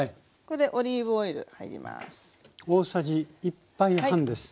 これオリーブオイル入ります。